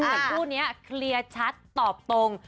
แต่คู่นี้เคลียร์ชัดตอบตรง